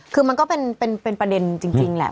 คือมันก็เป็นประเด็นจริงแหละ